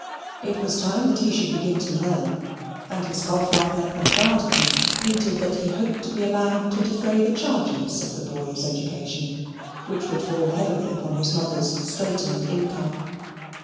It was time that he should begin to learn; and his godfather and guardian hinted that he hoped to be allowed to defray the charges of the boy's education, which would fall heavily upon his mother's straitened income.